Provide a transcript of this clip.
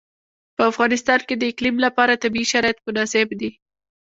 په افغانستان کې د اقلیم لپاره طبیعي شرایط مناسب دي.